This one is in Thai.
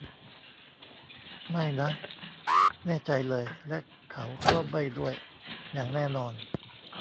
ไม่นะ แน่ใจเลย และเขาก็ไม่ด้วย อย่างแน่นอน